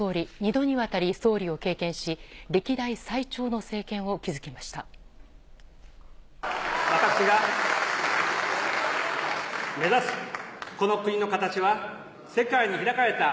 ２度にわたり総理を経験し、歴代最長の政権を築きました。